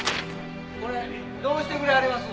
これどうしてくれはりますの？